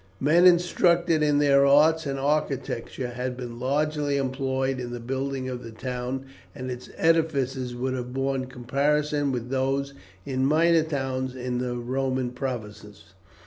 Men instructed in their arts and architecture had been largely employed in the building of the town, and its edifices would have borne comparison with those in minor towns in the Roman provinces.